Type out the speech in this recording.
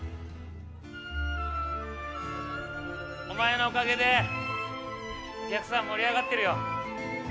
お前のおかげでお客さん盛り上がってるよ。